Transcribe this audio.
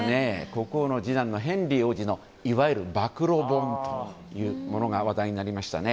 国王の次男ヘンリー王子のいわゆる暴露本というものが話題になりましたね。